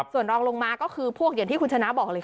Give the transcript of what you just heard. ส่วนรองลงมาก็คือพวกอย่างที่คุณชนะบอกเลยค่ะ